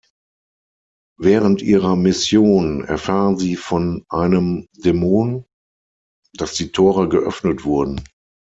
Während ihrer Mission erfahren sie von einem Dämon, dass "die Tore geöffnet wurden".